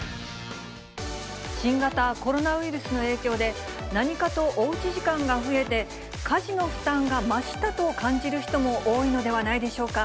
新型コロナウイルスの影響で、何かとおうち時間が増えて、家事の負担が増したと感じる人も多いのではないでしょうか。